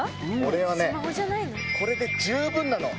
俺はねこれで十分なの。